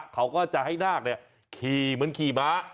เขาก็จะให้นาคขี่เหมือนขี่ม้า